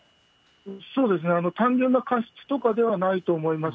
そうですね、単純な過失とかではないと思います。